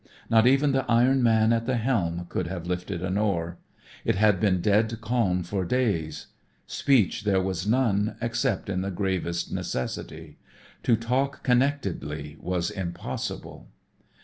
Not even the iron man at the helm could have lifted an oar. It had been dead calm for days. Speech there was none except in the gravest necessity. To talk connectedly was impossible.